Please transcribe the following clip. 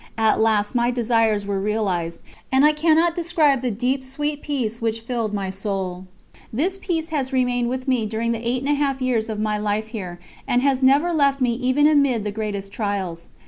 At last my desires were realised, and I cannot describe the deep sweet peace which filled my soul. This peace has remained with me during the eight and a half years of my life here, and has never left me even amid the greatest trials.